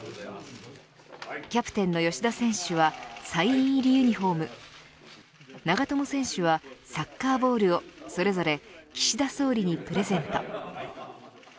キャプテンの吉田選手はサイン入りユニホーム長友選手はサッカーボールをそれぞれ岸田総理にプレゼント。